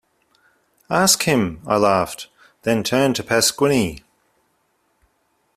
Ask him, I laughed, then turned to Pasquini.